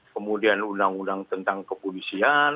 kemudian undang undang tentang kepolisian